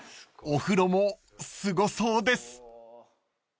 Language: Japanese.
［お風呂もすごそうです］